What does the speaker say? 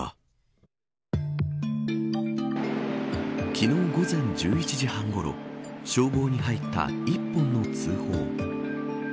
昨日午前１１時半ごろ消防に入った１本の通報。